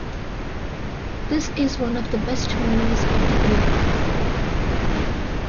This is one of the best movies of the year.